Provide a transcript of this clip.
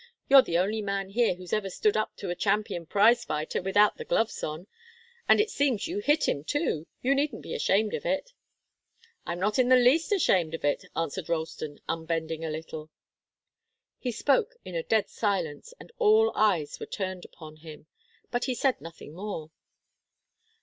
You're the only man here who's ever stood up to a champion prize fighter without the gloves on, and it seems you hit him, too. You needn't be ashamed of it." "I'm not in the least ashamed of it," answered Ralston, unbending a little. He spoke in a dead silence, and all eyes were turned upon him. But he said nothing more.